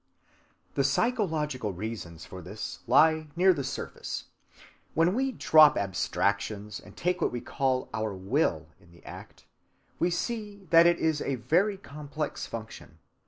The psychological reasons for this lie near the surface. When we drop abstractions and take what we call our will in the act, we see that it is a very complex function.